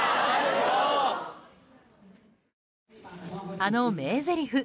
あの名ぜりふ